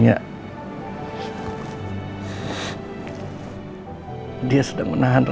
ya dia parlante sudah kemasin